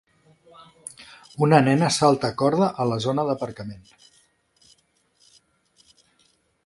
Una nena salta a corda a la zona d'aparcament.